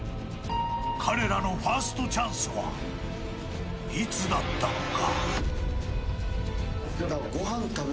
彼らのファーストチャンスはいつだったのか。